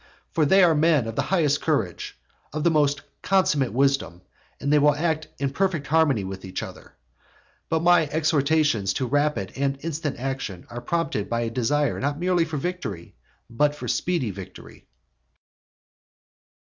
For they are men of the highest courage, of the most consummate wisdom, and they will act in perfect harmony with each other. But my exhortations to rapid and instant action are prompted by a desire not merely for victory, but for speedy victory.